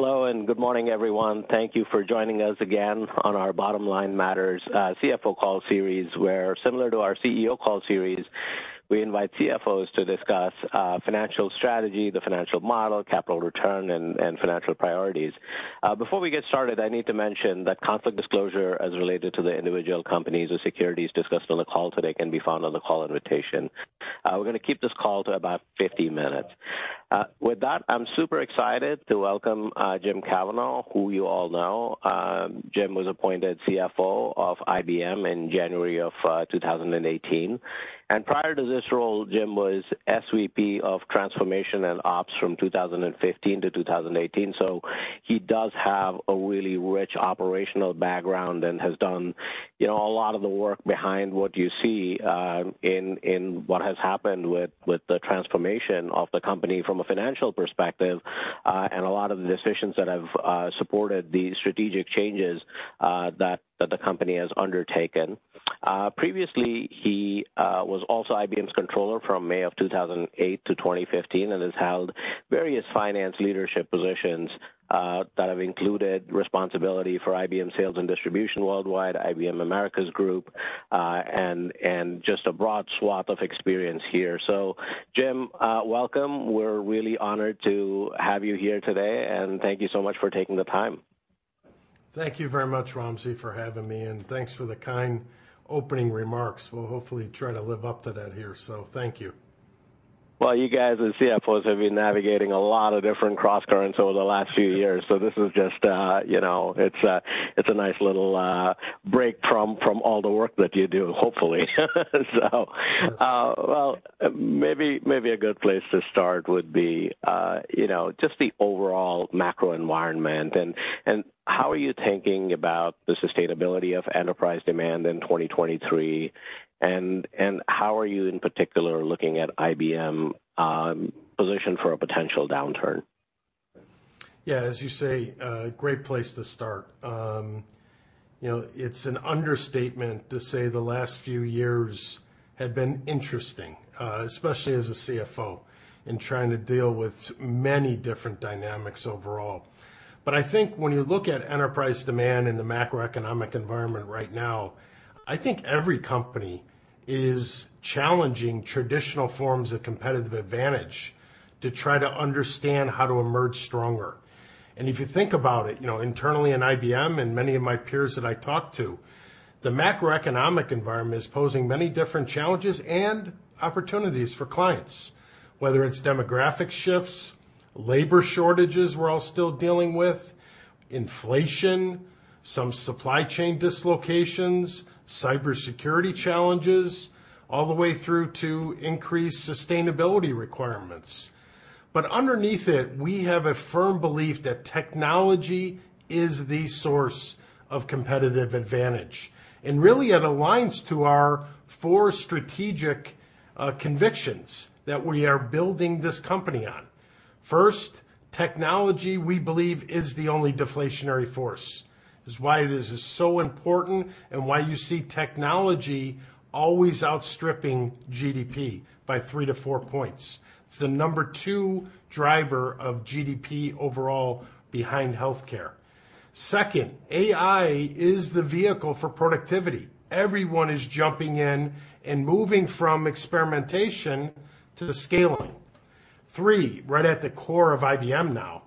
Hello, and good morning, everyone. Thank you for joining us again on our Bottom Line Matters CFO Call Series, where similar to our CEO call series, we invite CFOs to discuss financial strategy, the financial model, capital return, and financial priorities. Before we get started, I need to mention that conflict disclosure as related to the individual companies or securities discussed on the call today can be found on the call invitation. We're gonna keep this call to about 50 minutes. With that, I'm super excited to welcome Jim Kavanaugh, who you all know. Jim was appointed CFO of IBM in January of 2018. Prior to this role, Jim was SVP of Transformation and Ops from 2015-2018. He does have a really rich operational background and has done, you know, a lot of the work behind what you see in what has happened with the transformation of the company from a financial perspective, and a lot of the decisions that have supported the strategic changes that the company has undertaken. Previously, he was also IBM's controller from May of 2008-2015 and has held various finance leadership positions that have included responsibility for IBM sales and distribution worldwide, IBM Americas Group, and just a broad swath of experience here. Jim, welcome. We're really honored to have you here today, and thank you so much for taking the time. Thank you very much, Wamsi, for having me, and thanks for the kind opening remarks. We'll hopefully try to live up to that here. Thank you. Well, you guys as CFOs have been navigating a lot of different crosscurrents over the last few years. This is just, you know, it's a nice little break from all the work that you do, hopefully. Yes. Well, maybe a good place to start would be, you know, just the overall macro environment and how are you thinking about the sustainability of enterprise demand in 2023, and how are you in particular looking at IBM, position for a potential downturn? Yeah, as you say, a great place to start. You know, it's an understatement to say the last few years have been interesting, especially as a CFO in trying to deal with many different dynamics overall, but I think when you look at enterprise demand in the macroeconomic environment right now, I think every company is challenging traditional forms of competitive advantage to try to understand how to emerge stronger. If you think about it, you know, internally in IBM and many of my peers that I talk to, the macroeconomic environment is posing many different challenges and opportunities for clients, whether it's demographic shifts, labor shortages we're all still dealing with, inflation, some supply chain dislocations, cybersecurity challenges, all the way through to increased sustainability requirements. Underneath it, we have a firm belief that technology is the source of competitive advantage, and really it aligns to our four strategic convictions that we are building this company on. First, technology, we believe, is the only deflationary force. It's why this is so important and why you see technology always outstripping GDP by 3-4 points. It's the number two driver of GDP overall behind healthcare. Second, AI is the vehicle for productivity. Everyone is jumping in and moving from experimentation to scaling. Three, right at the core of IBM now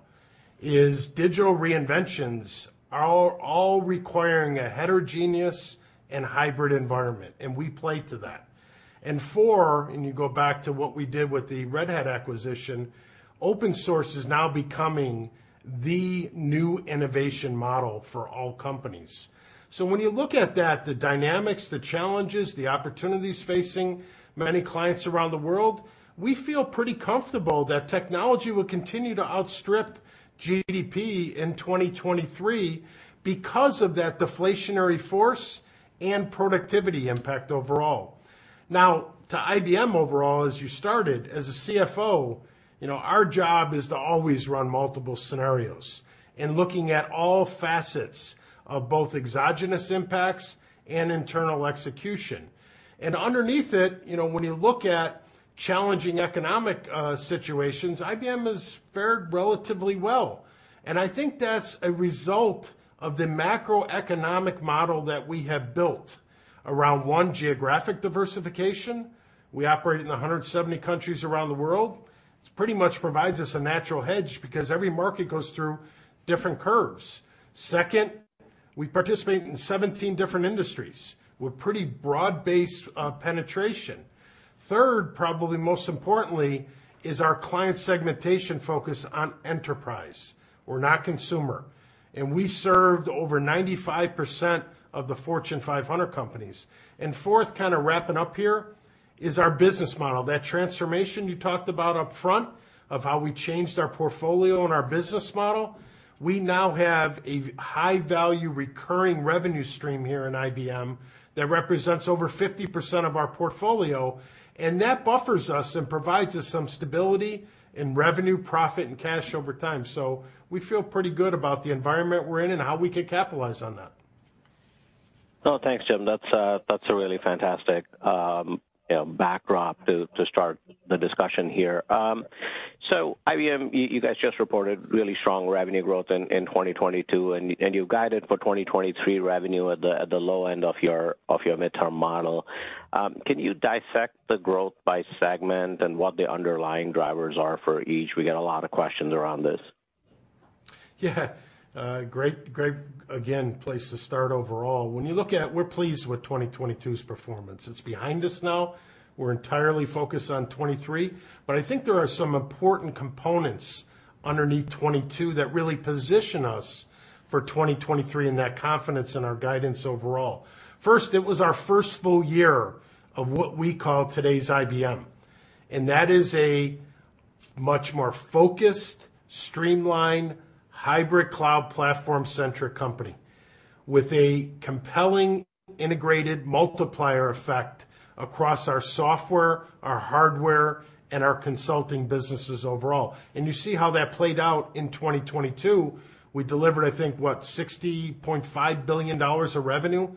is digital reinventions are all requiring a heterogeneous and hybrid environment, and we play to that. Four, and you go back to what we did with the Red Hat acquisition, open source is now becoming the new innovation model for all companies. When you look at that, the dynamics, the challenges, the opportunities facing many clients around the world, we feel pretty comfortable that technology will continue to outstrip GDP in 2023 because of that deflationary force and productivity impact overall. To IBM overall, as you started, as a CFO, you know, our job is to always run multiple scenarios and looking at all facets of both exogenous impacts and internal execution. Underneath it, you know, when you look at challenging economic situations, IBM has fared relatively well, and I think that's a result of the macroeconomic model that we have built around, one, geographic diversification. We operate in 170 countries around the world. It pretty much provides us a natural hedge because every market goes through different curves. Second, we participate in 17 different industries with pretty broad-based penetration. Third, probably most importantly, is our client segmentation focus on enterprise. We're not consumer, and we served over 95% of the Fortune 500 companies. Fourth, kind of wrapping up here, is our business model. That transformation you talked about upfront of how we changed our portfolio and our business model, we now have a high-value recurring revenue stream here in IBM that represents over 50% of our portfolio, and that buffers us and provides us some stability in revenue, profit, and cash over time. We feel pretty good about the environment we're in and how we can capitalize on that. Oh, thanks, Jim. That's a, that's a really fantastic, you know, backdrop to start the discussion here. IBM, you guys just reported really strong revenue growth in 2022, and you've guided for 2023 revenue at the low end of your midterm model. Can you dissect the growth by segment and what the underlying drivers are for each? We get a lot of questions around this. Yeah. Great, again, place to start overall. When you look at, we're pleased with 2022's performance. It's behind us now. We're entirely focused on 2023. I think there are some important components underneath 2022 that really position us for 2023 and that confidence in our guidance overall. First, it was our first full year of what we call today's IBM, and that is a much more focused, streamlined, hybrid cloud platform-centric company with a compelling integrated multiplier effect across our software, our hardware, and our consulting businesses overall. You see how that played out in 2022. We delivered, I think, what, $60.5 billion of revenue,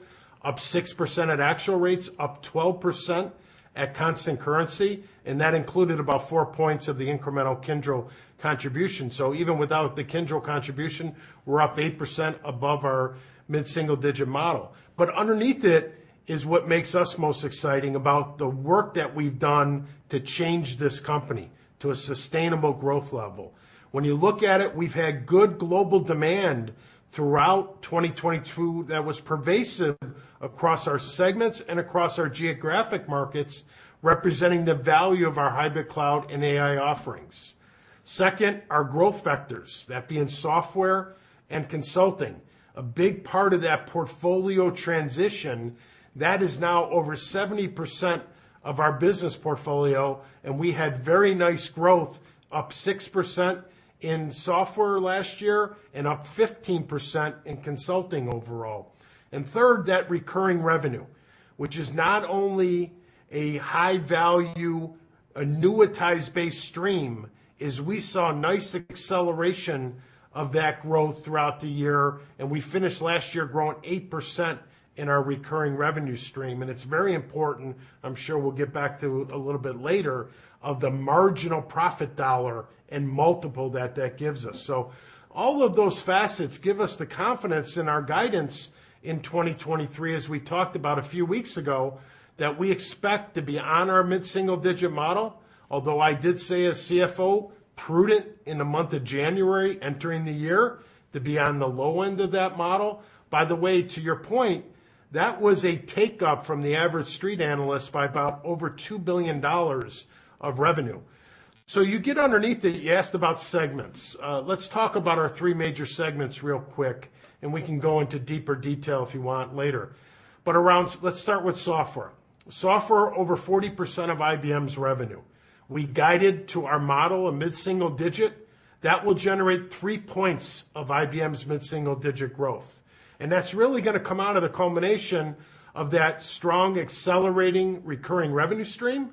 up 6% at actual rates, up 12% at constant currency, and that included about 4 points of the incremental Kyndryl contribution. Even without the Kyndryl contribution, we're up 8% above our mid-single-digit model. Underneath it is what makes us most exciting about the work that we've done to change this company to a sustainable growth level. When you look at it, we've had good global demand throughout 2022 that was pervasive across our segments and across our geographic markets, representing the value of our hybrid cloud and AI offerings. Second, our growth vectors, that being software and consulting. A big part of that portfolio transition, that is now over 70% of our business portfolio, and we had very nice growth, up 6% in software last year and up 15% in consulting overall. Third, that recurring revenue, which is not only a high-value, annuitized-based stream, is we saw nice acceleration of that growth throughout the year, and we finished last year growing 8% in our recurring revenue stream. It's very important, I'm sure we'll get back to a little bit later, of the marginal profit dollar and multiple that that gives us. All of those facets give us the confidence in our guidance in 2023, as we talked about a few weeks ago, that we expect to be on our mid-single-digit model. Although I did say as CFO, prudent in the month of January entering the year to be on the low end of that model. By the way, to your point, that was a take-up from the average street analyst by about over $2 billion of revenue. You get underneath it, you asked about segments. Let's talk about our three major segments real quick, and we can go into deeper detail if you want later. Around, let's start with software. Software, over 40% of IBM's revenue. We guided to our model a mid-single-digit. That will generate 3 points of IBM's mid-single-digit growth. That's really gonna come out of the culmination of that strong accelerating recurring revenue stream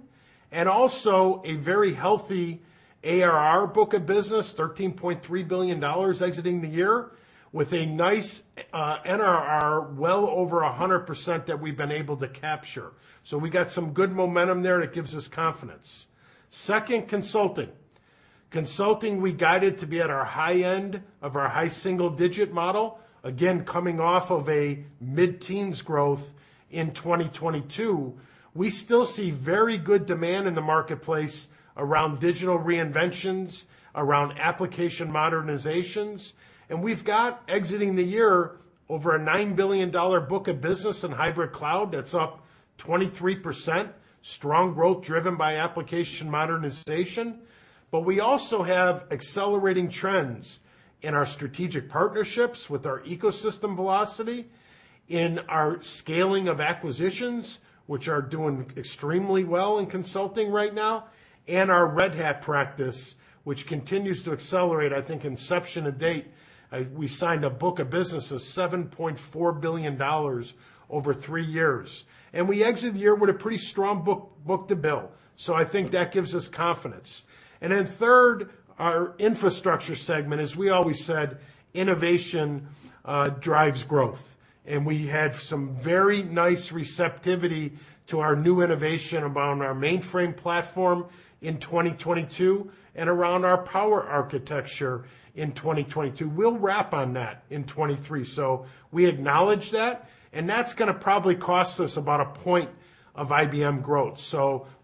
and also a very healthy ARR book of business, $13.3 billion exiting the year with a nice NRR well over 100% that we've been able to capture. We got some good momentum there that gives us confidence. Second, consulting. Consulting, we guided to be at our high end of our high single-digit model. Again, coming off of a mid-teens growth in 2022. We still see very good demand in the marketplace around digital reinventions, around application modernizations. We've got exiting the year over a $9 billion book of business in hybrid cloud, that's up 23%. Strong growth driven by application modernization. We also have accelerating trends in our strategic partnerships with our ecosystem velocity, in our scaling of acquisitions, which are doing extremely well in consulting right now, and our Red Hat practice, which continues to accelerate. I think inception to date, we signed a book of business of $7.4 billion over three years. We exit the year with a pretty strong book-to-bill. I think that gives us confidence. Third, our infrastructure segment. As we always said, innovation drives growth. We had some very nice receptivity to our new innovation around our mainframe platform in 2022 and around our Power architecture in 2022. We'll wrap on that in 2023. We acknowledge that, and that's gonna probably cost us about 1 point of IBM growth.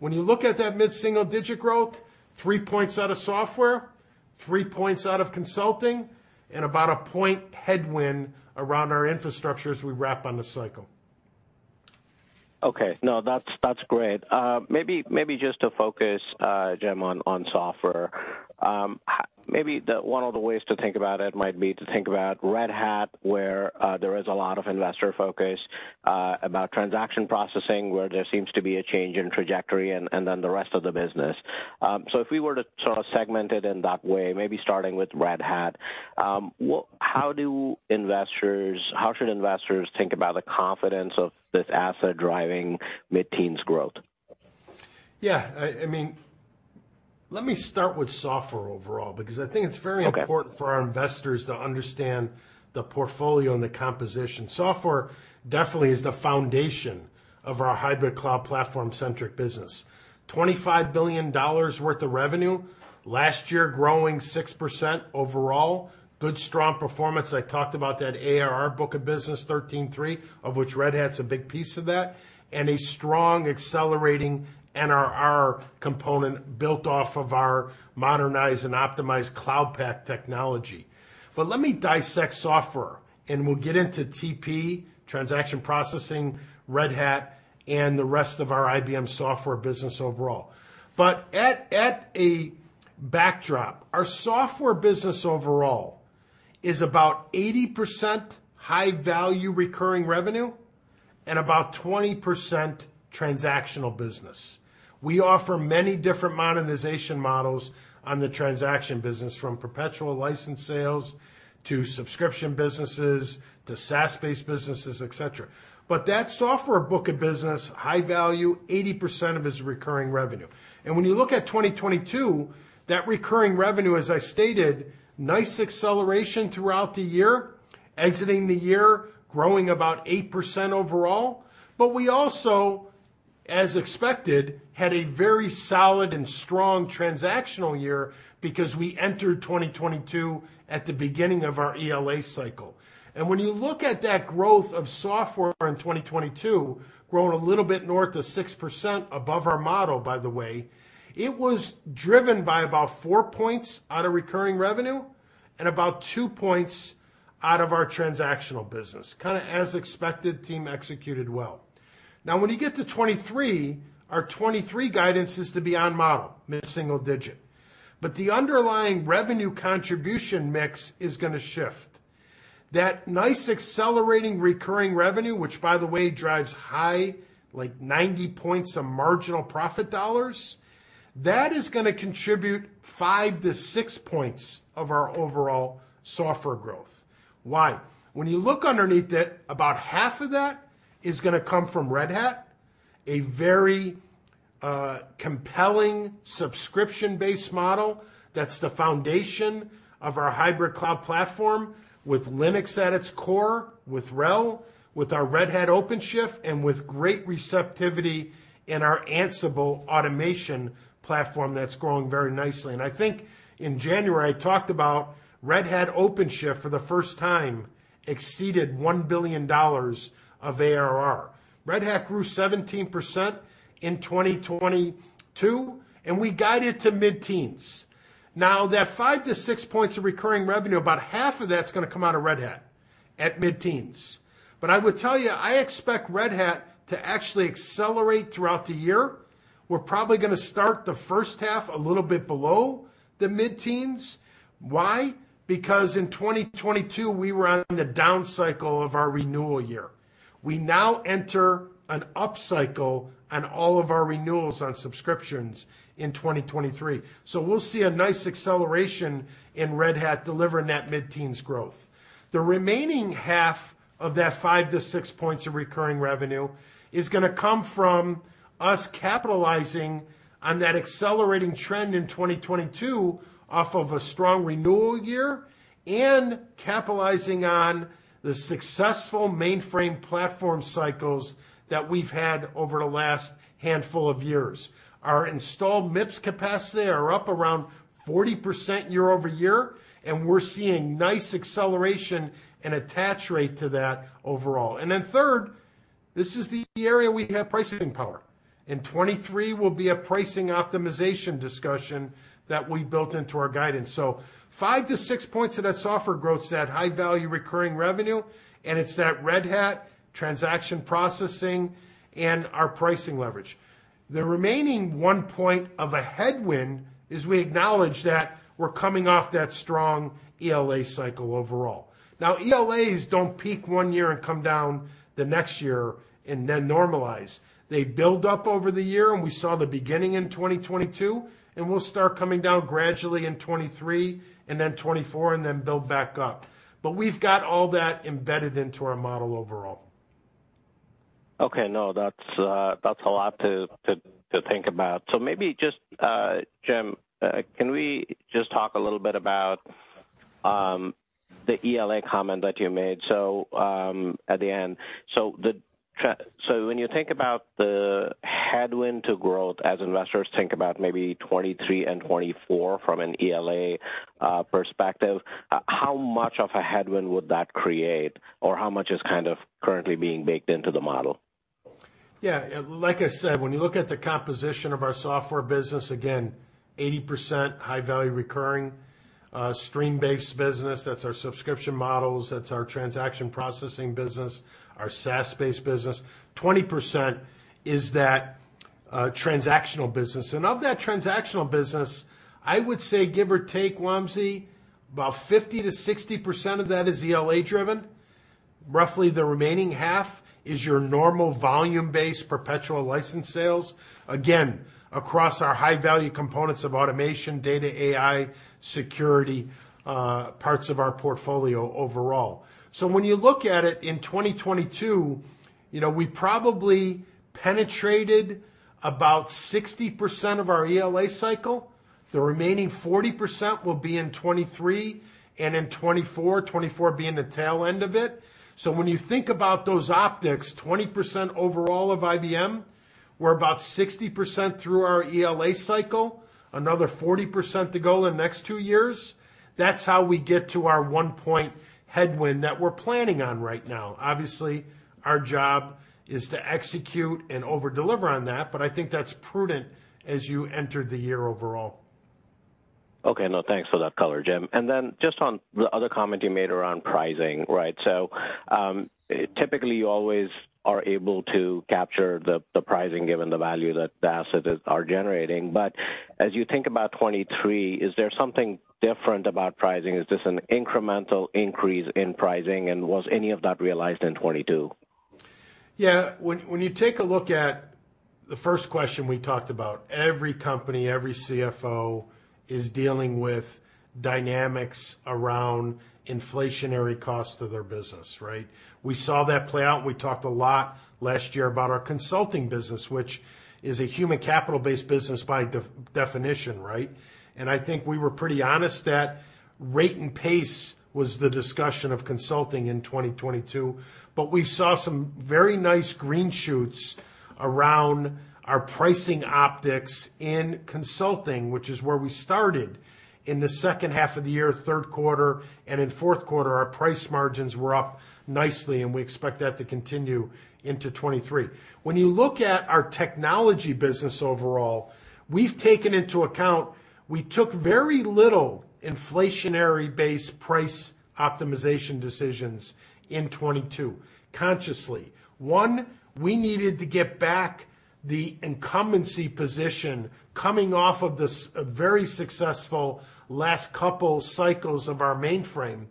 When you look at that mid-single-digit growth, 3 points out of software, 3 points out of consulting, and about 1 point headwind around our infrastructure as we wrap on the cycle. No, that's great. Maybe, maybe just to focus, Jim, on software. Maybe the one of the ways to think about it might be to think about Red Hat, where there is a lot of investor focus about transaction processing, where there seems to be a change in trajectory and then the rest of the business. If we were to sort of segment it in that way, maybe starting with Red Hat, how should investors think about the confidence of this asset driving mid-teens growth? Yeah, I mean, let me start with software overall because I think it's. Okay important for our investors to understand the portfolio and the composition. Software definitely is the foundation of our hybrid cloud platform-centric business. $25 billion worth of revenue. Last year growing 6% overall. Good strong performance. I talked about that ARR book of business, $13.3 billion, of which Red Hat's a big piece of that, and a strong accelerating NRR component built off of our modernized and optimized Cloud Pak technology. Let me dissect software, and we'll get into TP, transaction processing, Red Hat, and the rest of our IBM software business overall. At a backdrop, our software business overall is about 80% high-value recurring revenue and about 20% transactional business. We offer many different monetization models on the transaction business from perpetual license sales to subscription businesses to SaaS-based businesses, et cetera. That software book of business, high value, 80% of it is recurring revenue. When you look at 2022, that recurring revenue, as I stated, nice acceleration throughout the year, exiting the year growing about 8% overall. We also, as expected, had a very solid and strong transactional year because we entered 2022 at the beginning of our ELA cycle. When you look at that growth of software in 2022, growing a little bit north of 6% above our model, by the way, it was driven by about 4 points out of recurring revenue and about 2 points out of our transactional business. Kind of as expected, team executed well. When you get to 2023, our 2023 guidance is to be on model, mid-single-digit. The underlying revenue contribution mix is going to shift. That nice accelerating recurring revenue, which by the way drives high, like 90 points of marginal profit dollars, that is gonna contribute 5-6 points of our overall software growth. Why? When you look underneath it, about half of that is gonna come from Red Hat, a very compelling subscription-based model that's the foundation of our hybrid cloud platform with Linux at its core, with RHEL, with our Red Hat OpenShift, and with great receptivity in our Ansible Automation Platform that's growing very nicely. I think in January, I talked about Red Hat OpenShift for the first time exceeded $1 billion of ARR. Red Hat grew 17% in 2022, and we guided to mid-teens. That 5-6 points of recurring revenue, about half of that's gonna come out of Red Hat at mid-teens. I would tell you, I expect Red Hat to actually accelerate throughout the year. We're probably gonna start the first half a little bit below the mid-teens. Why? Because in 2022, we were on the down cycle of our renewal year. We now enter an up cycle on all of our renewals on subscriptions in 2023. We'll see a nice acceleration in Red Hat delivering that mid-teens growth. The remaining half of that 5-6 points of recurring revenue is gonna come from us capitalizing on that accelerating trend in 2022 off of a strong renewal year and capitalizing on the successful mainframe platform cycles that we've had over the last handful of years. Our installed MIPS capacity are up around 40% year-over-year, and we're seeing nice acceleration and attach rate to that overall. Third, this is the area we have pricing power, and 2023 will be a pricing optimization discussion that we built into our guidance. 5-6 points of that software growth's that high-value recurring revenue, and it's that Red Hat transaction processing and our pricing leverage. The remaining 1 point of a headwind is we acknowledge that we're coming off that strong ELA cycle overall. Now ELAs don't peak one year and come down the next year and then normalize. They build up over the year, and we saw the beginning in 2022, and we'll start coming down gradually in 2023 and then 2024 and then build back up. We've got all that embedded into our model overall. Okay. No, that's a lot to think about. Maybe just Jim, can we just talk a little bit about the ELA comment that you made at the end. When you think about the headwind to growth as investors think about maybe 2023 and 2024 from an ELA perspective, how much of a headwind would that create, or how much is kind of currently being baked into the model? Like I said, when you look at the composition of our software business, again, 80% high-value recurring, stream-based business. That's our subscription models, that's our transaction processing business, our SaaS-based business. 20% is that transactional business, and of that transactional business, I would say give or take, Wamsi, about 50%-60% of that is ELA-driven. Roughly the remaining half is your normal volume-based perpetual license sales, again, across our high-value components of automation, data, AI, security, parts of our portfolio overall. When you look at it in 2022, you know, we probably penetrated about 60% of our ELA cycle. The remaining 40% will be in 2023 and in 2024, 2024 being the tail end of it. When you think about those optics, 20% overall of IBM, we're about 60% through our ELA cycle, another 40% to go the next two years. That's how we get to our 1 point headwind that we're planning on right now. Obviously, our job is to execute and over-deliver on that, but I think that's prudent as you enter the year overall. Okay. No, thanks for that color, Jim. Just on the other comment you made around pricing, right? Typically, you always are able to capture the pricing given the value that the assets are generating. As you think about 2023, is there something different about pricing? Is this an incremental increase in pricing, and was any of that realized in 2022? Yeah. When you take a look at the first question we talked about, every company, every CFO is dealing with dynamics around inflationary costs of their business, right? We saw that play out. We talked a lot last year about our consulting business, which is a human capital-based business by definition, right? I think we were pretty honest that rate and pace was the discussion of consulting in 2022. We saw some very nice green shoots around our pricing optics in consulting, which is where we started in the second half of the year, third quarter. In fourth quarter, our price margins were up nicely, and we expect that to continue into 2023. When you look at our technology business overall, we've taken into account we took very little inflationary-based price optimization decisions in 2022, consciously. One, we needed to get back the incumbency position coming off of this very successful last couple cycles of our mainframe.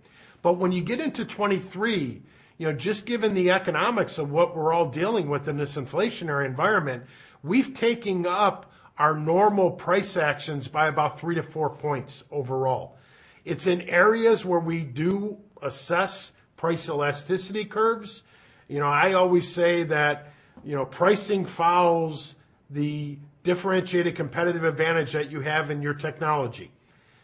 When you get into 2023, you know, just given the economics of what we're all dealing with in this inflationary environment, we've taken up our normal price actions by about 3-4 points overall. It's in areas where we do assess price elasticity curves. You know, I always say that, you know, pricing follows the differentiated competitive advantage that you have in your technology.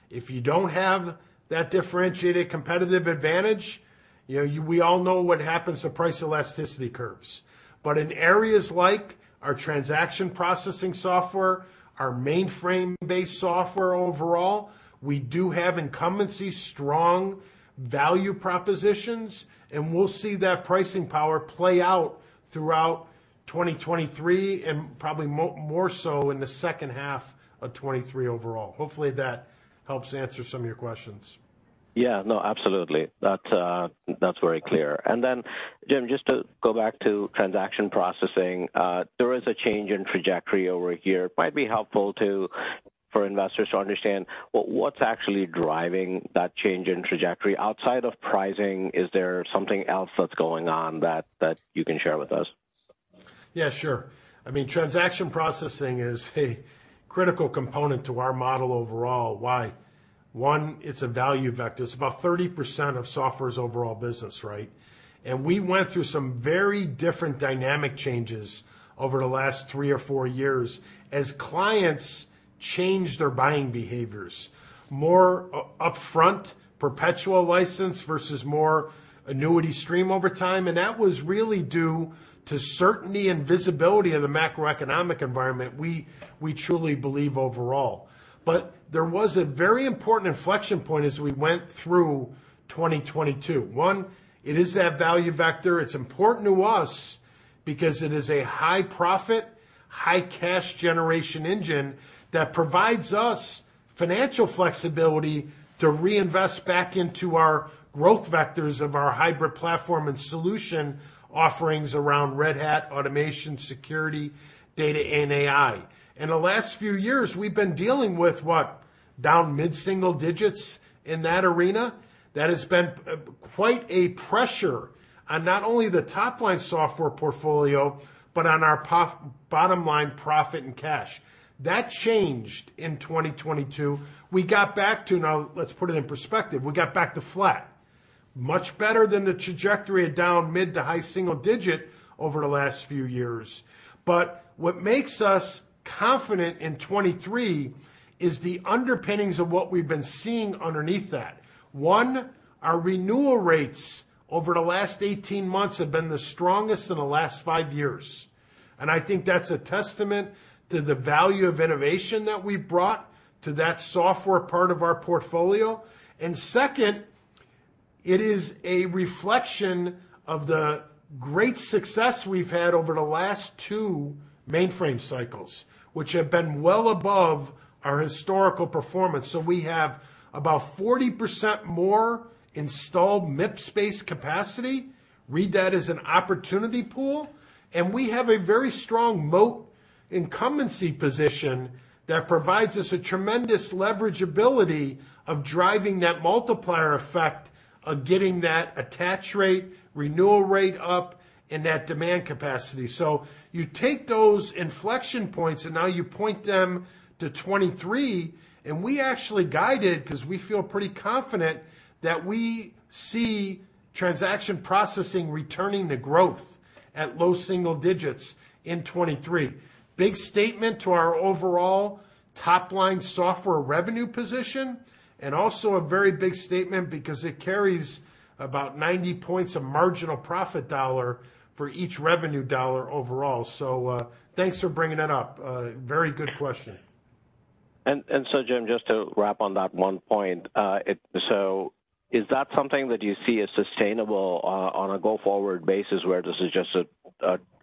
If you don't have that differentiated competitive advantage, you know, we all know what happens to price elasticity curves. In areas like our transaction processing software, our mainframe-based software overall, we do have incumbency strong value propositions, and we'll see that pricing power play out throughout 2023 and probably more so in the second half of 2023 overall. Hopefully, that helps answer some of your questions. Yeah. No, absolutely. That's very clear. Then, Jim, just to go back to transaction processing, there is a change in trajectory over a year. It might be helpful for investors to understand what's actually driving that change in trajectory. Outside of pricing, is there something else that you can share with us? Yeah, sure. I mean, transaction processing is a critical component to our model overall. Why? One, it's a value vector. It's about 30% of software's overall business, right? We went through some very different dynamic changes over the last three or four years as clients changed their buying behaviors. More upfront perpetual license versus more annuity stream over time, and that was really due to certainty and visibility of the macroeconomic environment, we truly believe overall. There was a very important inflection point as we went through 2022. One, it is that value vector. It's important to us because it is a high profit, high cash generation engine that provides us financial flexibility to reinvest back into our growth vectors of our hybrid platform and solution offerings around Red Hat, automation, security, data, and AI. In the last few years, we've been dealing with what? Down mid-single digits in that arena. That has been quite a pressure on not only the top-line software portfolio, but on our bottom line profit and cash. That changed in 2022. Now let's put it in perspective. We got back to flat. Much better than the trajectory of down mid to high single-digit over the last few years. What makes us confident in 2023 is the underpinnings of what we've been seeing underneath that. One, our renewal rates over the last 18 months have been the strongest in the last five years, and I think that's a testament to the value of innovation that we brought to that software part of our portfolio. Second, it is a reflection of the great success we've had over the last two mainframe cycles, which have been well above our historical performance. We have about 40% more installed MIPS-based capacity. Read that as an opportunity pool. We have a very strong moat incumbency position that provides us a tremendous leverageability of driving that multiplier effect of getting that attach rate, renewal rate up, and that demand capacity. You take those inflection points, and now you point them to 2023, and we actually guided because we feel pretty confident that we see transaction processing returning to growth at low single digits in 2023. Big statement to our overall top-line software revenue position, and also a very big statement because it carries about 90 points of marginal profit dollar for each revenue dollar overall. Thanks for bringing that up. Very good question. Jim, just to wrap on that one point, is that something that you see as sustainable on a go-forward basis where this is just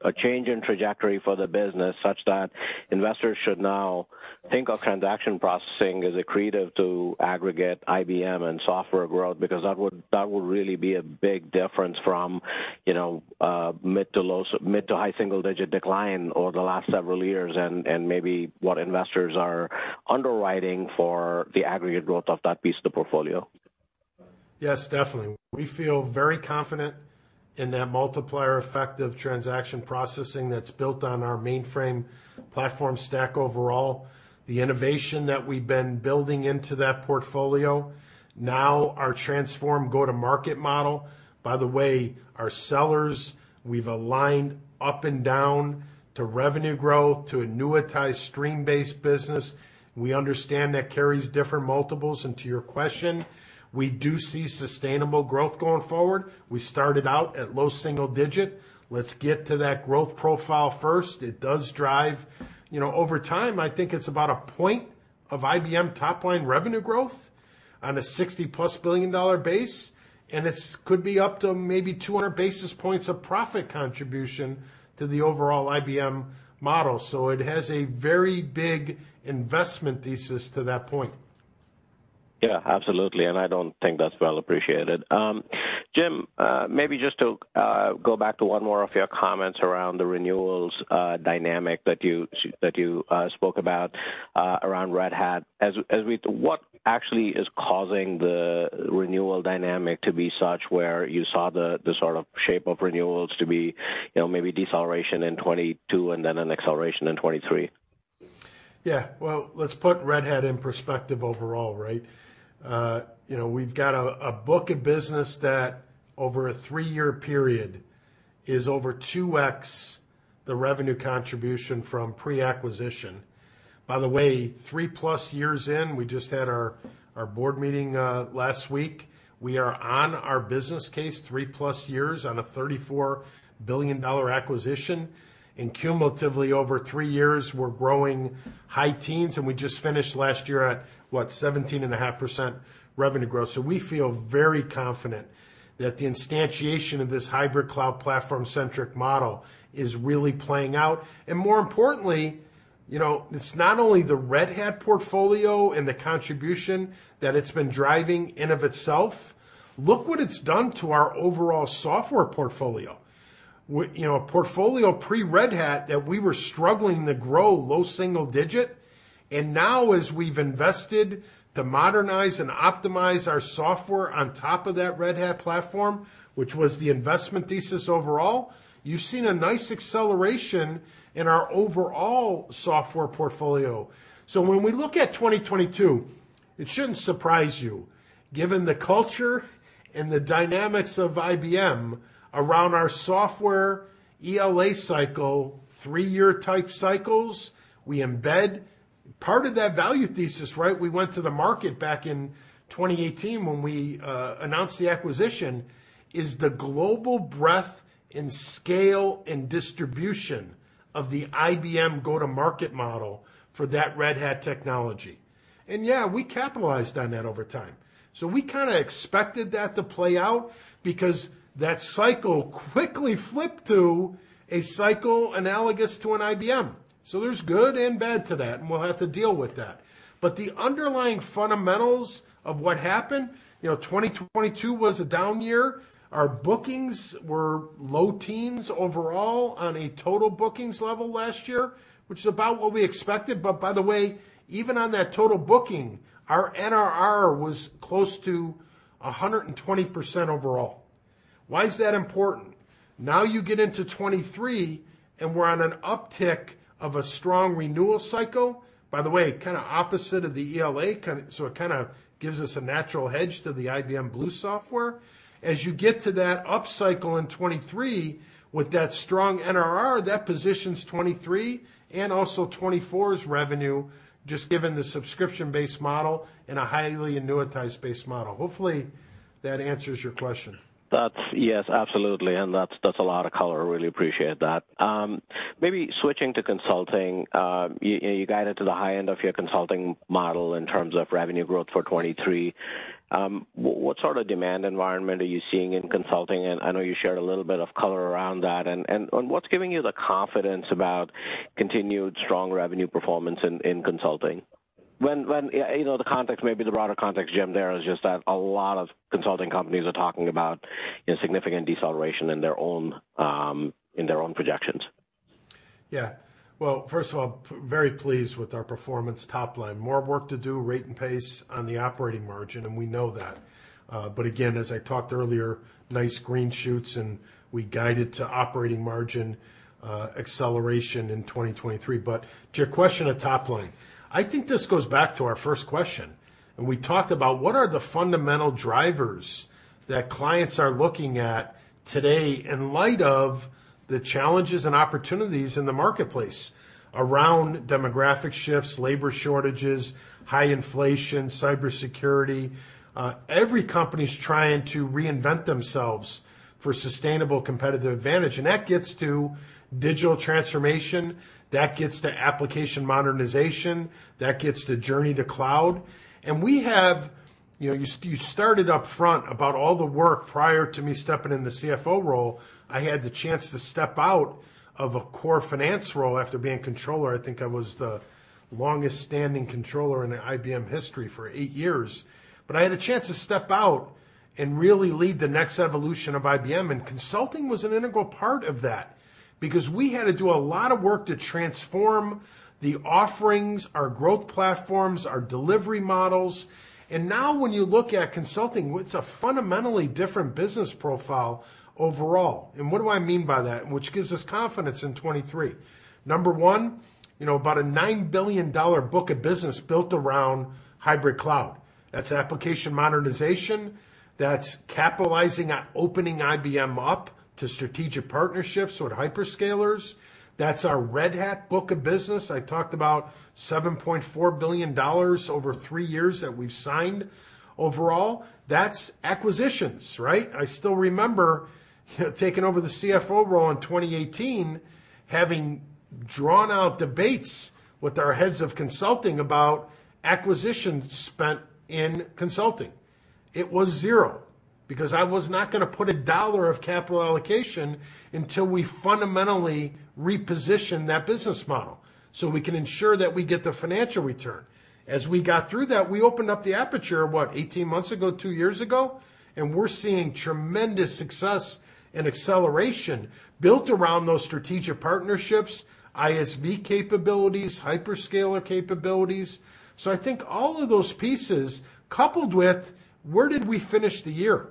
a change in trajectory for the business, such that investors should now think of transaction processing as accretive to aggregate IBM and software growth? That would really be a big difference from, you know, mid to high single-digit decline over the last several years and maybe what investors are underwriting for the aggregate growth of that piece of the portfolio. Yes, definitely. We feel very confident in that multiplier effect of transaction processing that's built on our mainframe platform stack overall. The innovation that we've been building into that portfolio, now our transform go-to-market model. By the way, our sellers, we've aligned up and down to revenue growth, to annuitize stream-based business. We understand that carries different multiples. To your question, we do see sustainable growth going forward. We started out at low single-digit. Let's get to that growth profile first. It does drive, you know, over time, I think it's about 1 point of IBM top line revenue growth on a $60+ billion base, and it's could be up to maybe 200 basis points of profit contribution to the overall IBM model. It has a very big investment thesis to that point. Yeah, absolutely, and I don't think that's well appreciated. Jim, maybe just to go back to one more of your comments around the renewals dynamic that you spoke about around Red Hat. What actually is causing the renewal dynamic to be such where you saw the sort of shape of renewals to be, you know, maybe deceleration in 2022 and then an acceleration in 2023? Yeah. Well, let's put Red Hat in perspective overall, right? You know, we've got a book of business that over a three-year period is over 2x the revenue contribution from pre-acquisition. By the way, 3+ years in, we just had our board meeting last week. We are on our business case 3+ years on a $34 billion acquisition. Cumulatively, over three years, we're growing high teens, and we just finished last year at, what, 17.5% revenue growth. We feel very confident that the instantiation of this hybrid cloud platform-centric model is really playing out. More importantly, you know, it's not only the Red Hat portfolio and the contribution that it's been driving in of itself, look what it's done to our overall software portfolio. You know, a portfolio pre-Red Hat that we were struggling to grow low single-digit. Now as we've invested to modernize and optimize our software on top of that Red Hat platform, which was the investment thesis overall, you've seen a nice acceleration in our overall software portfolio. When we look at 2022, it shouldn't surprise you, given the culture and the dynamics of IBM around our software ELA cycle, three-year type cycles, we embed part of that value thesis, right? We went to the market back in 2018 when we announced the acquisition, is the global breadth and scale and distribution of the IBM go-to-market model for that Red Hat technology. Yeah, we capitalized on that over time. We kinda expected that to play out because that cycle quickly flipped to a cycle analogous to an IBM. There's good and bad to that, and we'll have to deal with that. The underlying fundamentals of what happened, you know, 2022 was a down year. Our bookings were low teens overall on a total bookings level last year, which is about what we expected. By the way, even on that total booking, our NRR was close to 120% overall. Why is that important? You get into 2023, and we're on an uptick of a strong renewal cycle. By the way, kind of opposite of the ELA, kind of, so it kind of gives us a natural hedge to the IBM Blueworks Live. As you get to that upcycle in 2023 with that strong NRR, that positions 2023 and also 2024's revenue just given the subscription-based model and a highly annuitized-based model. Hopefully, that answers your question. That's yes, absolutely, and that's a lot of color. Really appreciate that. Maybe switching to consulting, you guided to the high end of your consulting model in terms of revenue growth for 2023. What sort of demand environment are you seeing in consulting? I know you shared a little bit of color around that. What's giving you the confidence about continued strong revenue performance in consulting? When, you know, the context, maybe the broader context, Jim, there is just that a lot of consulting companies are talking about a significant deceleration in their own, in their own projections. Well, first of all, very pleased with our performance top line. More work to do, rate and pace on the operating margin, and we know that. But again, as I talked earlier, nice green shoots, and we guided to operating margin acceleration in 2023. To your question of top line, I think this goes back to our first question, and we talked about what are the fundamental drivers that clients are looking at today in light of the challenges and opportunities in the marketplace around demographic shifts, labor shortages, high inflation, cybersecurity? Every company's trying to reinvent themselves for sustainable competitive advantage, and that gets to digital transformation. That gets to application modernization. That gets to journey to cloud. We have... You know, you started upfront about all the work prior to me stepping in the CFO role. I had the chance to step out of a core finance role after being controller. I think I was the longest standing controller in the IBM history for eight years. I had a chance to step out and really lead the next evolution of IBM, and consulting was an integral part of that because we had to do a lot of work to transform the offerings, our growth platforms, our delivery models. Now when you look at consulting, it's a fundamentally different business profile overall. What do I mean by that? Which gives us confidence in 2023. Number one, you know, about a $9 billion book of business built around hybrid cloud. That's application modernization. That's capitalizing on opening IBM up to strategic partnerships or hyperscalers. That's our Red Hat book of business. I talked about $7.4 billion over three years that we've signed overall. That's acquisitions, right? I still remember, you know, taking over the CFO role in 2018, having drawn out debates with our heads of consulting about acquisitions spent in consulting. It was zero because I was not gonna put a dollar of capital allocation until we fundamentally reposition that business model, so we can ensure that we get the financial return. As we got through that, we opened up the aperture, what, 18 months ago, two years ago, and we're seeing tremendous success and acceleration built around those strategic partnerships, ISV capabilities, hyperscaler capabilities. I think all of those pieces coupled with where did we finish the year?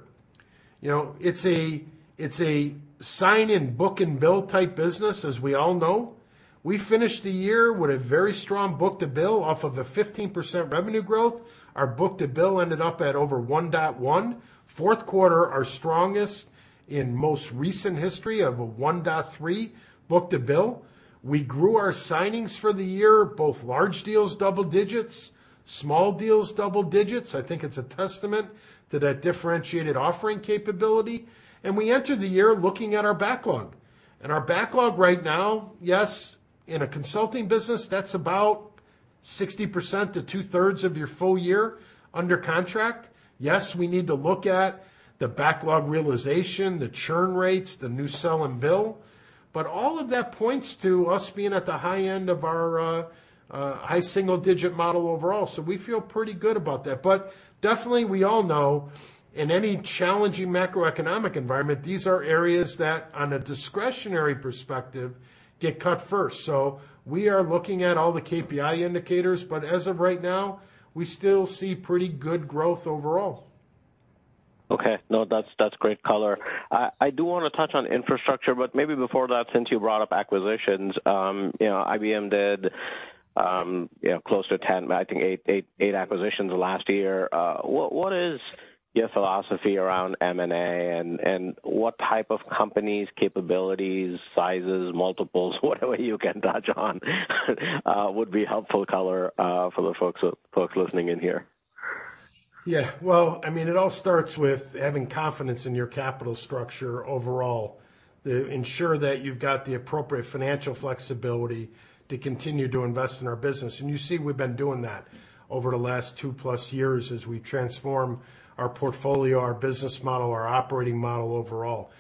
You know, it's a, it's a sign and book and bill type business, as we all know. We finished the year with a very strong book-to-bill off of a 15% revenue growth. Our book-to-bill ended up at over 1.1. Fourth quarter, our strongest in most recent history of a 1.3 book-to-bill. We grew our signings for the year, both large deals, double digits, small deals, double digits. I think it's a testament to that differentiated offering capability. We entered the year looking at our backlog. Our backlog right now, yes, in a consulting business, that's about 60% to 2/3 of your full year under contract. Yes, we need to look at the backlog realization, the churn rates, the new sell and bill. All of that points to us being at the high end of our high single-digit model overall, so we feel pretty good about that. Definitely, we all know in any challenging macroeconomic environment, these are areas that, on a discretionary perspective, get cut first. We are looking at all the KPI indicators, but as of right now, we still see pretty good growth overall. Okay. No, that's great color. I do wanna touch on infrastructure, but maybe before that, since you brought up acquisitions, you know, IBM did, you know, close to 10, but I think eight acquisitions last year. What is your philosophy around M&A and what type of companies, capabilities, sizes, multiples, whatever you can touch on would be helpful color for the folks listening in here? Yeah. Well, I mean, it all starts with having confidence in your capital structure overall to ensure that you've got the appropriate financial flexibility to continue to invest in our business. You see we've been doing that over the last 2+ years as we transform our portfolio, our business model, our operating model overall.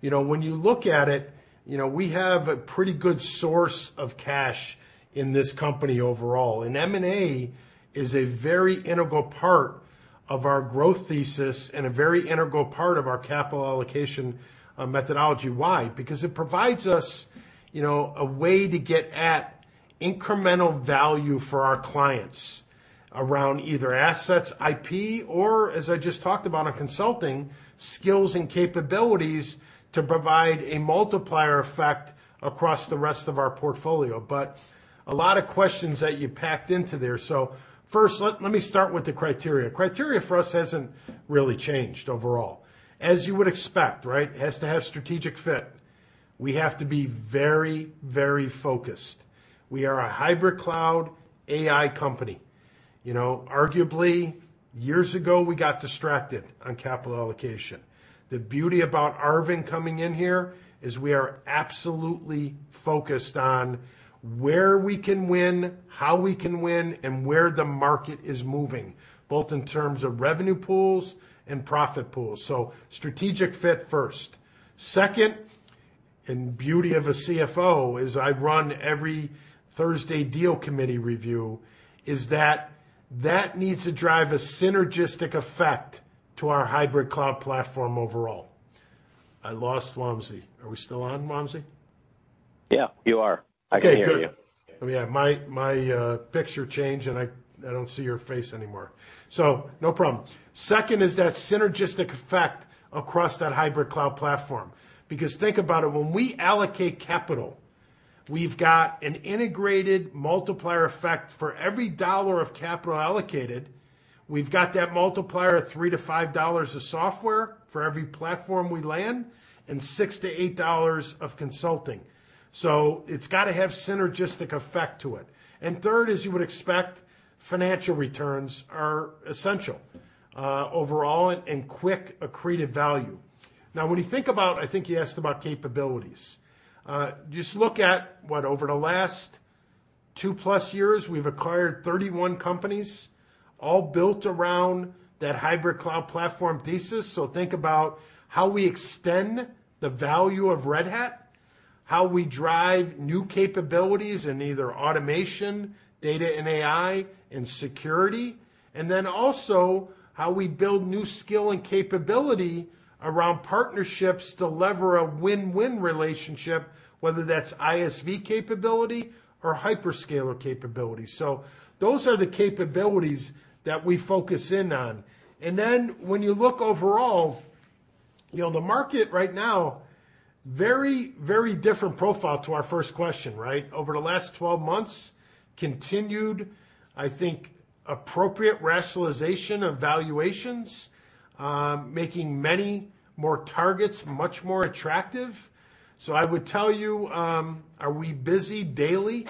You know, when you look at it, you know, we have a pretty good source of cash in this company overall, and M&A is a very integral part of our growth thesis and a very integral part of our capital allocation methodology. Why? Because it provides us, you know, a way to get at incremental value for our clients around either assets, IP or, as I just talked about on consulting, skills and capabilities to provide a multiplier effect across the rest of our portfolio. A lot of questions that you packed into there. First, let me start with the criteria. Criteria for us hasn't really changed overall. As you would expect, right? It has to have strategic fit. We have to be very, very focused. We are a hybrid cloud AI company. You know, arguably, years ago, we got distracted on capital allocation. The beauty about Arvind coming in here is we are absolutely focused on where we can win, how we can win, and where the market is moving, both in terms of revenue pools and profit pools. Strategic fit first. Second, beauty of a CFO is I run every Thursday deal committee review. That needs to drive a synergistic effect to our hybrid cloud platform overall. I lost Wamsi. Are we still on, Wamsi? Yeah. You are. I can hear you. Okay, good. Yeah, my picture changed, and I don't see your face anymore. No problem. Second is that synergistic effect across that hybrid cloud platform. Think about it, when we allocate capital, we've got an integrated multiplier effect. For every dollar of capital allocated, we've got that multiplier of $3-$5 of software for every platform we land and $6-$8 of consulting. It's got to have synergistic effect to it. Third, as you would expect, financial returns are essential overall and quick accretive value. Now, when you think about... I think you asked about capabilities. Just look at what? Over the last 2+ years, we've acquired 31 companies, all built around that hybrid cloud platform thesis. Think about how we extend the value of Red Hat, how we drive new capabilities in either automation, data and AI, and security, and then also how we build new skill and capability around partnerships to lever a win-win relationship, whether that's ISV capability or hyperscaler capability. Those are the capabilities that we focus in on. When you look overall, you know, the market right now, very, very different profile to our first question, right? Over the last 12 months, continued, I think, appropriate rationalization of valuations, making many more targets much more attractive. I would tell you, are we busy daily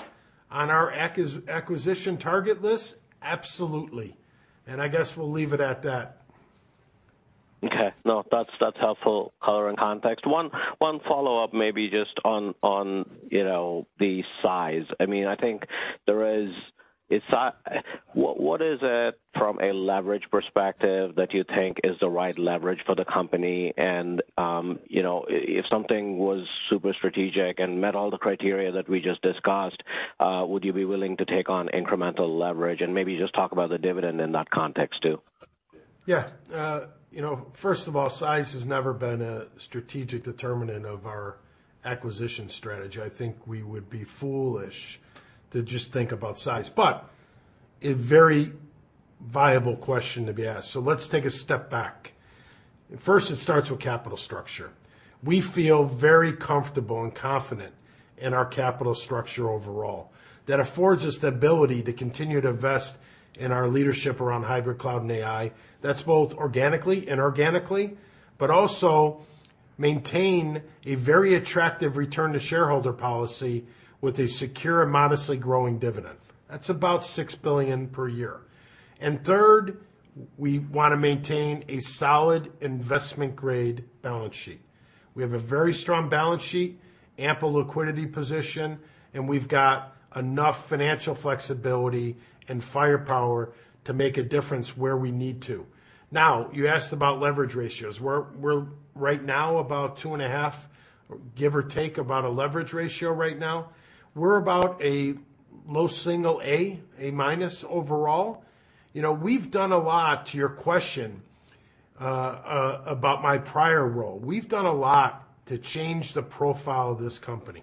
on our acquisition target list? Absolutely. I guess we'll leave it at that. Okay. No, that's helpful color and context. One follow-up maybe just on, you know, the size. I mean, what is it from a leverage perspective that you think is the right leverage for the company? You know, if something was super strategic and met all the criteria that we just discussed, would you be willing to take on incremental leverage? Maybe just talk about the dividend in that context too. Yeah. You know, first of all, size has never been a strategic determinant of our acquisition strategy. I think we would be foolish to just think about size. A very viable question to be asked, so let's take a step back. First, it starts with capital structure. We feel very comfortable and confident in our capital structure overall. That affords us the ability to continue to invest in our leadership around hybrid cloud and AI. That's both organically and organically, but also maintain a very attractive return to shareholder policy with a secure and modestly growing dividend. That's about $6 billion per year. Third, we want to maintain a solid investment grade balance sheet. We have a very strong balance sheet, ample liquidity position, and we've got enough financial flexibility and firepower to make a difference where we need to. Now, you asked about leverage ratios. We're right now about 2.5, give or take, about a leverage ratio right now. We're about a low single A-overall. You know, we've done a lot to your question about my prior role. We've done a lot to change the profile of this company.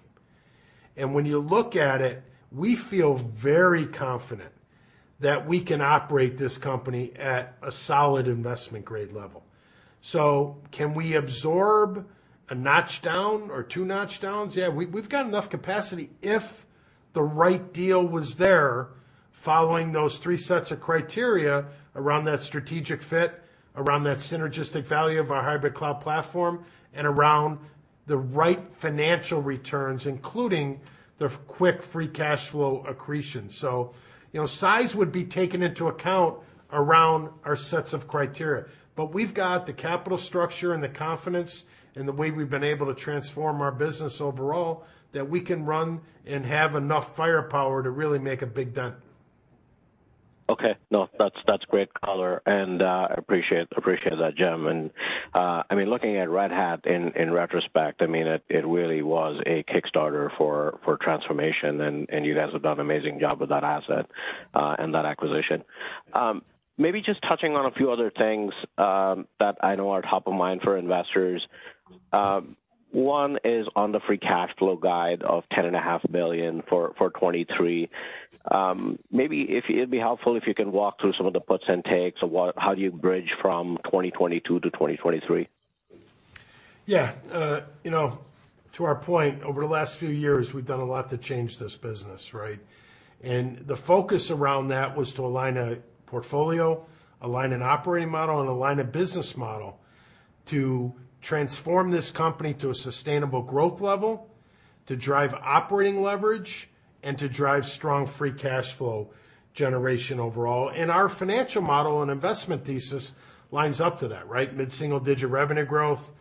When you look at it, we feel very confident that we can operate this company at a solid investment grade level. Can we absorb a notch down or two notch downs? Yeah, we've got enough capacity if the right deal was there following those three sets of criteria around that strategic fit, around that synergistic value of our hybrid cloud platform, and around the right financial returns, including the quick free cash flow accretion. You know, size would be taken into account around our sets of criteria. We've got the capital structure and the confidence in the way we've been able to transform our business overall, that we can run and have enough firepower to really make a big dent. Okay. No, that's great color, and appreciate that, Jim. I mean, looking at Red Hat in retrospect, I mean, it really was a kickstarter for transformation, and you guys have done an amazing job with that asset and that acquisition. Maybe just touching on a few other things that I know are top of mind for investors. One is on the free cash flow guide of $10.5 billion for 2023. Maybe it'd be helpful if you can walk through some of the puts and takes of how do you bridge from 2022 to 2023? Yeah. You know, to our point, over the last few years, we've done a lot to change this business, right? The focus around that was to align a portfolio, align an operating model, and align a business model to transform this company to a sustainable growth level, to drive operating leverage, and to drive strong free cash flow generation overall. Our financial model and investment thesis lines up to that, right? Mid-single-digit revenue growth,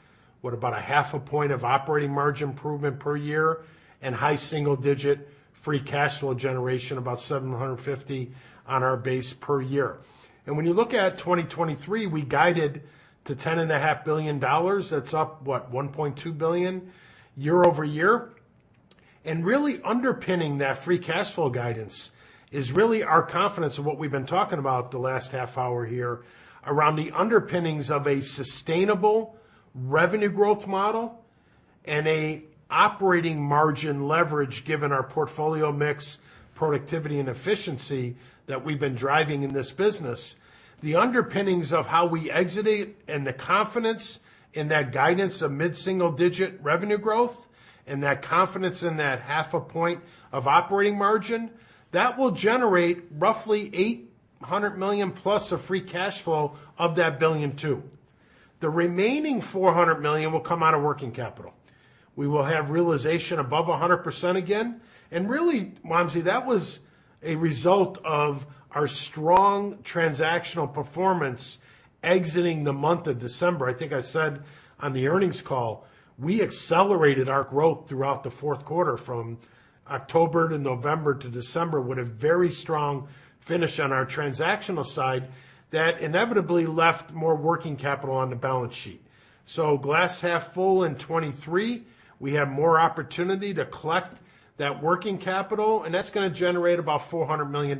with about 0.5 point of operating margin improvement per year, and high single-digit free cash flow generation, about $750 on our base per year. When you look at 2023, we guided to $10.5 billion. That's up, what, $1.2 billion year-over-year. Really underpinning that free cash flow guidance is really our confidence in what we've been talking about the last half-hour here around the underpinnings of a sustainable revenue growth model and a operating margin leverage given our portfolio mix, productivity, and efficiency that we've been driving in this business. The underpinnings of how we exit it and the confidence in that guidance of mid-single-digit revenue growth and that confidence in that 0.5 point of operating margin, that will generate roughly $800+ million of free cash flow of that $1.2 billion. The remaining $400 million will come out of working capital. We will have realization above 100% again. Really, Wamsi, that was a result of our strong transactional performance exiting the month of December. I think I said on the earnings call, we accelerated our growth throughout the fourth quarter from October to November to December with a very strong finish on our transactional side that inevitably left more working capital on the balance sheet. Glass half full in 2023, we have more opportunity to collect that working capital, and that's gonna generate about $400 million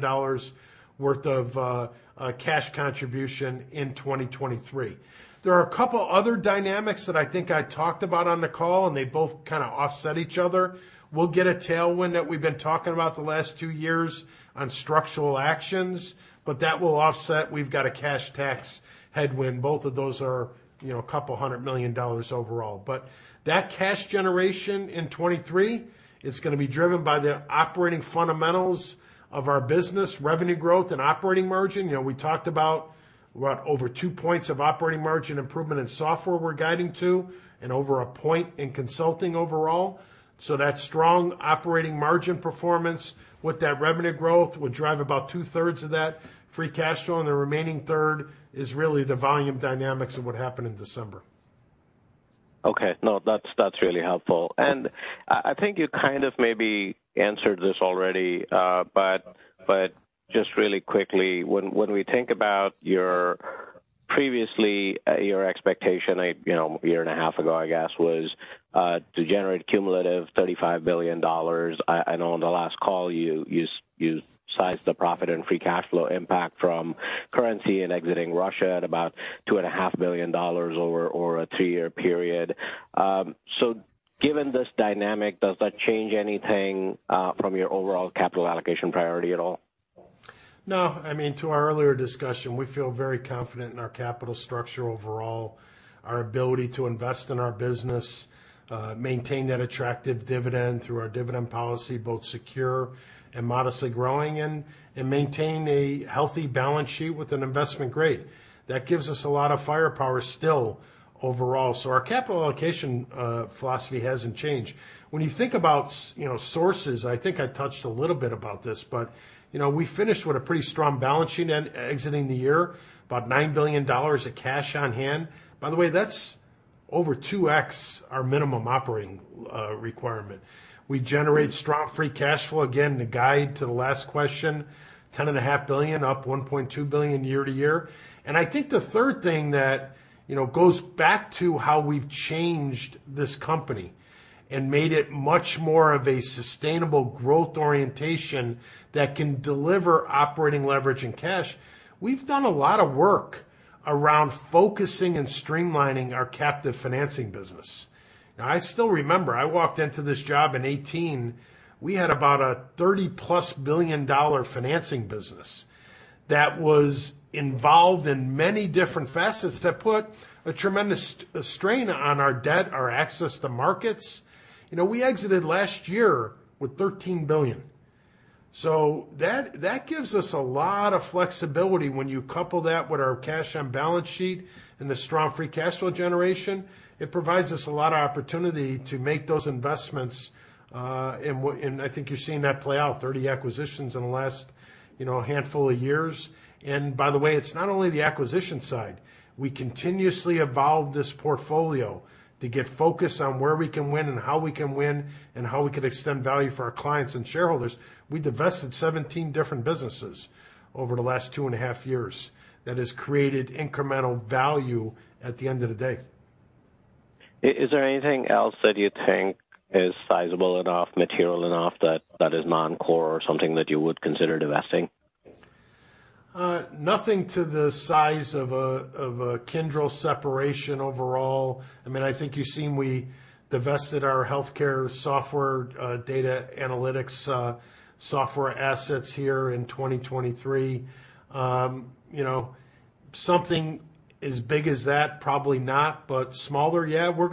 worth of cash contribution in 2023. There are a couple other dynamics that I think I talked about on the call, they both kinda offset each other. We'll get a tailwind that we've been talking about the last two years on structural actions, that will offset. We've got a cash tax headwind. Both of those are, you know, a couple hundred million dollars overall. That cash generation in 2023 is gonna be driven by the operating fundamentals of our business revenue growth and operating margin. You know, we talked about, what? Over 2 points of operating margin improvement in software we're guiding to and over 1 point in consulting overall. That strong operating margin performance with that revenue growth would drive about 2/3 of that free cash flow, and the remaining 1/3 is really the volume dynamics of what happened in December. Okay. No, that's really helpful. I think you kind of maybe answered this already, just really quickly, when we think about your expectation, like, you know, a year and a half ago, I guess, was to generate cumulative $35 billion. I know on the last call, you sized the profit and free cash flow impact from currency and exiting Russia at about $2.5 billion or a two-year period. Given this dynamic, does that change anything from your overall capital allocation priority at all? No. I mean, to our earlier discussion, we feel very confident in our capital structure overall, our ability to invest in our business, maintain that attractive dividend through our dividend policy, both secure and modestly growing and maintain a healthy balance sheet with an investment grade. That gives us a lot of firepower still overall. Our capital allocation philosophy hasn't changed. When you think about you know, sources, I think I touched a little bit about this, but, you know, we finished with a pretty strong balance sheet and exiting the year, about $9 billion of cash on hand. By the way, that's over 2x our minimum operating requirement. We generate strong free cash flow. Again, to guide to the last question, $10.5 billion, up $1.2 billion year-over-year. I think the third thing that, you know, goes back to how we've changed this company and made it much more of a sustainable growth orientation that can deliver operating leverage and cash. We've done a lot of work around focusing and streamlining our captive financing business. I still remember, I walked into this job in 2018. We had about a $30+ billion financing business that was involved in many different facets that put a tremendous strain on our debt, our access to markets. You know, we exited last year with $13 billion. That gives us a lot of flexibility when you couple that with our cash on balance sheet and the strong free cash flow generation. It provides us a lot of opportunity to make those investments, and I think you're seeing that play out, 30 acquisitions in the last, you know, handful of years. By the way, it's not only the acquisition side. We continuously evolve this portfolio to get focus on where we can win and how we can win and how we can extend value for our clients and shareholders. We divested 17 different businesses over the last two and a half years. That has created incremental value at the end of the day. Is there anything else that you think is sizable enough, material enough that is non-core or something that you would consider divesting? Nothing to the size of a Kyndryl separation overall. I mean, I think you've seen we divested our healthcare software, data analytics, software assets here in 2023. You know, something as big as that, probably not. Smaller, yeah, we're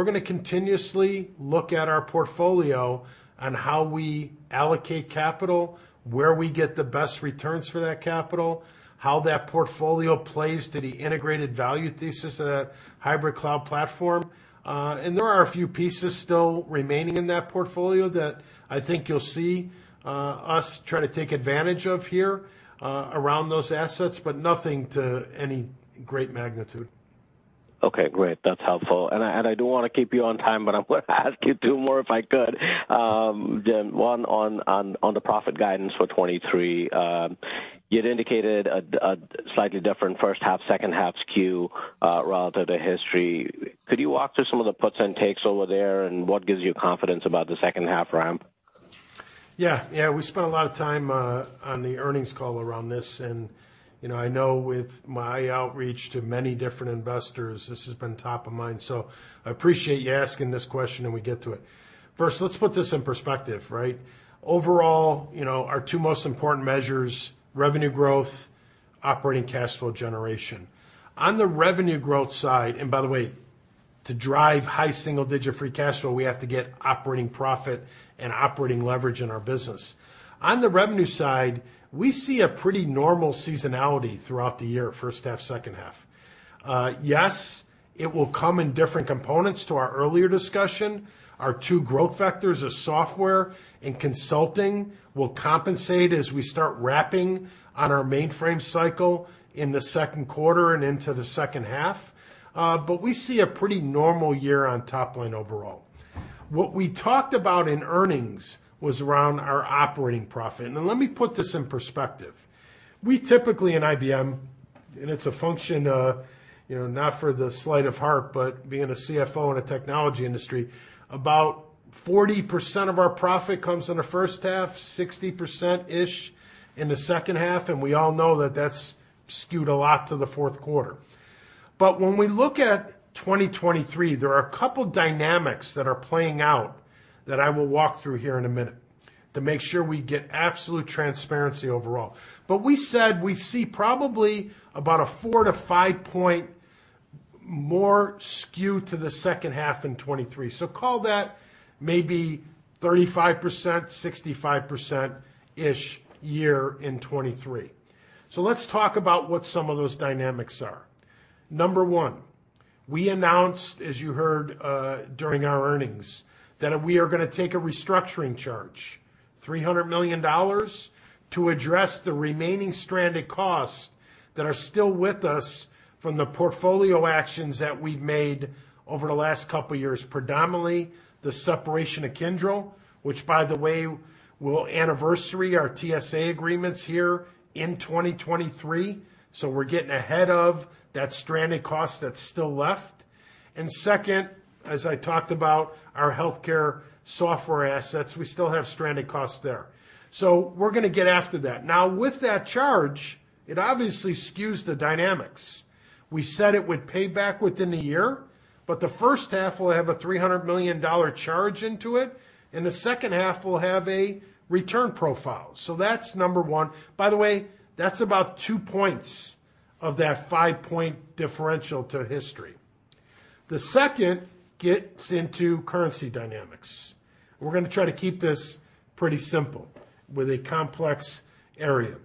gonna continuously look at our portfolio on how we allocate capital, where we get the best returns for that capital, how that portfolio plays to the integrated value thesis of that hybrid cloud platform. There are a few pieces still remaining in that portfolio that I think you'll see us try to take advantage of here around those assets, but nothing to any great magnitude. Okay, great. That's helpful. I don't wanna keep you on time, but I'm gonna ask you two more if I could. One on the profit guidance for 2023. You'd indicated a slightly different first half, second half skew relative to history. Could you walk through some of the puts and takes over there and what gives you confidence about the second half ramp? Yeah. Yeah. We spent a lot of time on the earnings call around this, and, you know, I know with my outreach to many different investors, this has been top of mind. I appreciate you asking this question, and we get to it. First, let's put this in perspective, right? Overall, you know, our two most important measures, revenue growth, operating cash flow generation. On the revenue growth side, and by the way, to drive high single-digit free cash flow, we have to get operating profit and operating leverage in our business. On the revenue side, we see a pretty normal seasonality throughout the year, first half, second half. Yes, it will come in different components to our earlier discussion. Our two growth factors are software and consulting will compensate as we start wrapping on our mainframe cycle in the second quarter and into the second half. We see a pretty normal year on top line overall. What we talked about in earnings was around our operating profit. Now let me put this in perspective. We typically in IBM, and it's a function, you know, not for the sleight of heart, but being a CFO in a technology industry, about 40% of our profit comes in the first half, 60%-ish in the second half, and we all know that that's skewed a lot to the fourth quarter. When we look at 2023, there are a couple dynamics that are playing out that I will walk through here in a minute to make sure we get absolute transparency overall. We said we see probably about a 4-5 points more skew to the second half in 2023. Call that maybe 35%, 65%-ish year in 2023. Let's talk about what some of those dynamics are. Number one, we announced, as you heard, during our earnings, that we are gonna take a restructuring charge, $300 million, to address the remaining stranded costs that are still with us from the portfolio actions that we've made over the last couple years. Predominantly, the separation of Kyndryl, which by the way, will anniversary our TSA agreements here in 2023. We're getting ahead of that stranded cost that's still left. Second, as I talked about our healthcare software assets, we still have stranded costs there. We're gonna get after that. Now with that charge, it obviously skews the dynamics. We said it would pay back within the year, but the first half will have a $300 million charge into it, and the second half will have a return profile. That's number one. By the way, that's about 2 points of that 5-point differential to history. The second gets into currency dynamics. We're gonna try to keep this pretty simple with a complex area.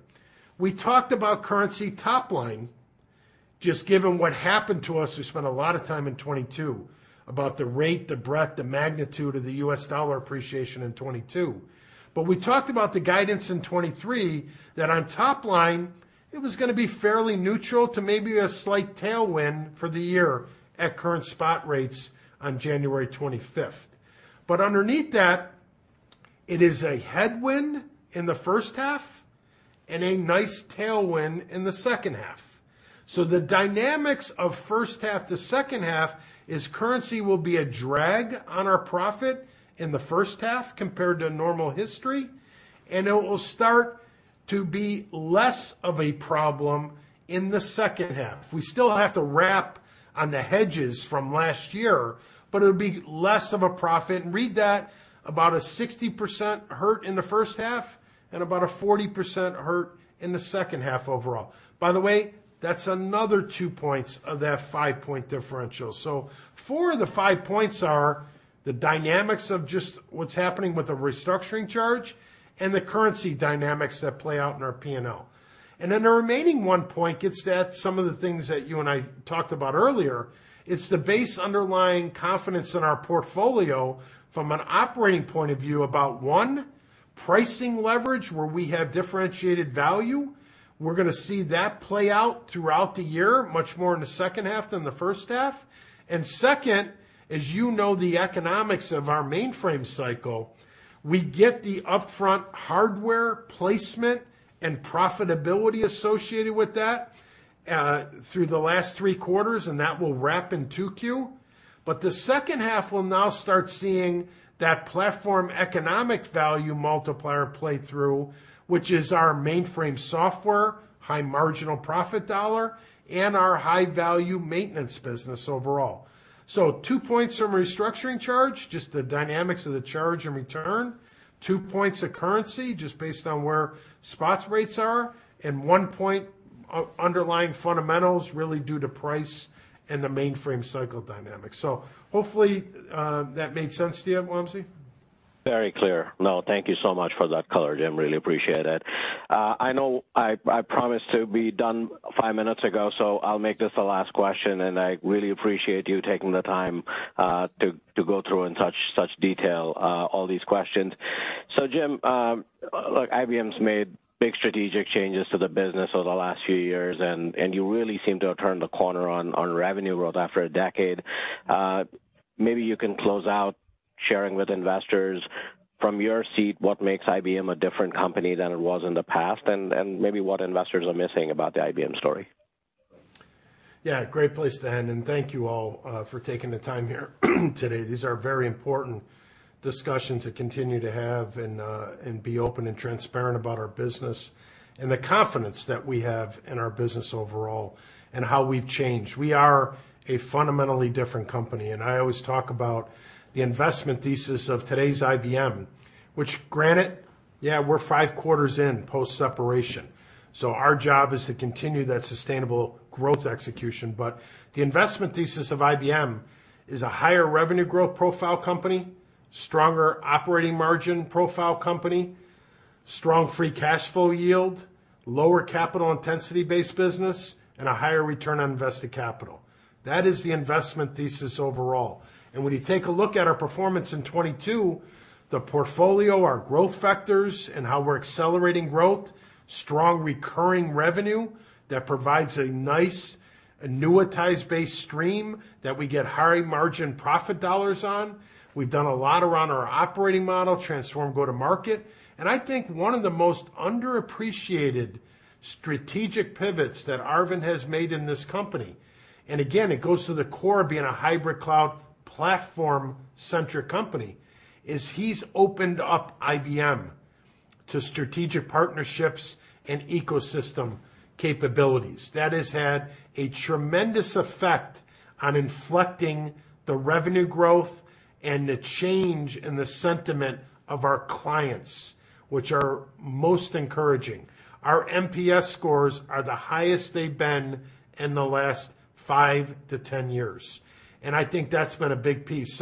We talked about currency top line, just given what happened to us, we spent a lot of time in 2022 about the rate, the breadth, the magnitude of the U.S. dollar appreciation in 2022. We talked about the guidance in 2023, that on top line, it was gonna be fairly neutral to maybe a slight tailwind for the year at current spot rates on January 25th. Underneath that, it is a headwind in the first half and a nice tailwind in the second half. The dynamics of first half to second half is currency will be a drag on our profit in the first half compared to normal history, and it will start to be less of a problem in the second half. We still have to wrap on the hedges from last year, but it'll be less of a profit. Read that about a 60% hurt in the first half and about a 40% hurt in the second half overall. That's another 2 points of that 5-point differential. 4 of the 5 points are the dynamics of just what's happening with the restructuring charge and the currency dynamics that play out in our P&L. The remaining 1 point gets at some of the things that you and I talked about earlier. It's the base underlying confidence in our portfolio from an operating point of view about, one, pricing leverage, where we have differentiated value. We're gonna see that play out throughout the year, much more in the second half than the first half. Second, as you know the economics of our mainframe cycle, we get the upfront hardware placement and profitability associated with that through the last three quarters, and that will wrap in 2Q. The second half will now start seeing that platform economic value multiplier play through, which is our mainframe software, high marginal profit dollar, and our high-value maintenance business overall. 2 points from restructuring charge, just the dynamics of the charge and return, 2 points of currency, just based on where spots rates are, and 1 point, underlying fundamentals really due to price and the mainframe cycle dynamics. Hopefully, that made sense to you, Wamsi. Very clear. No, thank you so much for that color, Jim. Really appreciate it. I know I promised to be done five minutes ago, so I'll make this the last question, and I really appreciate you taking the time to go through in such detail, all these questions. Jim, look, IBM's made big strategic changes to the business over the last few years, and you really seem to have turned the corner on revenue growth after a decade. Maybe you can close out sharing with investors from your seat what makes IBM a different company than it was in the past, and maybe what investors are missing about the IBM story. Yeah, great place to end. Thank you all for taking the time here today. These are very important discussions to continue to have and be open and transparent about our business and the confidence that we have in our business overall and how we've changed. We are a fundamentally different company, and I always talk about the investment thesis of today's IBM, which granted, yeah, we're five quarters in post-separation, so our job is to continue that sustainable growth execution. The investment thesis of IBM is a higher revenue growth profile company, stronger operating margin profile company, strong free cash flow yield, lower capital intensity-based business, and a higher return on invested capital. That is the investment thesis overall. When you take a look at our performance in 2022, the portfolio, our growth vectors and how we're accelerating growth, strong recurring revenue that provides a nice annuitized-based stream that we get high margin profit dollars on. We've done a lot around our operating model, transform go-to-market. I think one of the most underappreciated strategic pivots that Arvind has made in this company, and again, it goes to the core of being a hybrid cloud platform-centric company, is he's opened up IBM to strategic partnerships and ecosystem capabilities. That has had a tremendous effect on inflecting the revenue growth and the change in the sentiment of our clients, which are most encouraging. Our NPS scores are the highest they've been in the last five to 10 years, and I think that's been a big piece.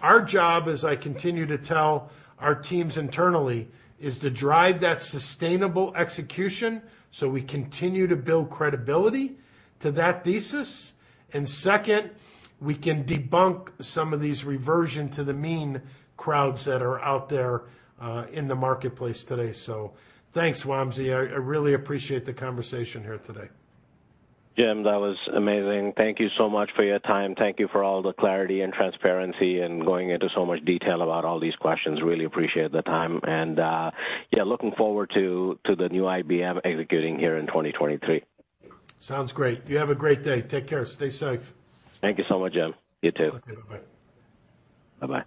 Our job, as I continue to tell our teams internally, is to drive that sustainable execution so we continue to build credibility to that thesis. Second, we can debunk some of these reversion to the mean crowds that are out there in the marketplace today. Thanks, Wamsi. I really appreciate the conversation here today. Jim, that was amazing. Thank you so much for your time. Thank you for all the clarity and transparency and going into so much detail about all these questions. Really appreciate the time and, yeah, looking forward to the new IBM executing here in 2023. Sounds great. You have a great day. Take care. Stay safe. Thank you so much, Jim. You too. Okay. Bye-bye. Bye-bye.